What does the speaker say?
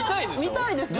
見たいですよ